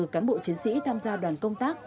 hai mươi bốn cán bộ chiến sĩ tham gia đoàn công tác